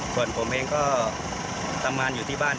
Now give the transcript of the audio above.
ส่วนผมเองก็ทำงานอยู่ที่บ้าน